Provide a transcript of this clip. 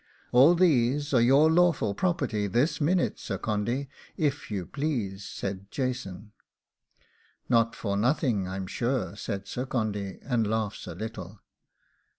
'All these are your lawful property this minute, Sir Condy, if you please,' said Jason. 'Not for nothing, I'm sure,' said Sir Condy, and laughs a little.